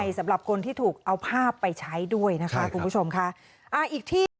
อย่างนี้นะอย่างนี้ไม่ได้